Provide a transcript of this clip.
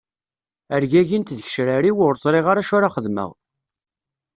Rgagint tgecrar-iw ur ẓriɣ ara acu ara xedmeɣ.